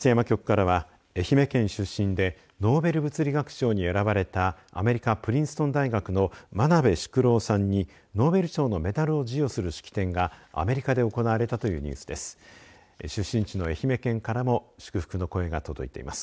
松山局からは愛媛県出身でノーベル物理学賞に選ばれたアメリカ、プリンストン大学の真鍋淑郎さんにノーベル賞のメダルを授与する式典がアメリカで行われたというニュースです。